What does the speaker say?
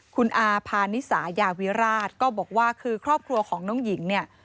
คุณอาพานิสายาวิราชก็บอกว่าคือครอบครัวของน้องหญิงเนี่ย